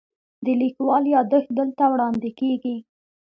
د لیکوال یادښت دلته وړاندې کیږي.